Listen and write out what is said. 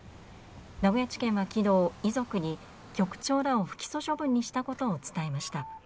名古屋地検は昨日、遺族に局長らを不起訴処分にしたことを伝えました。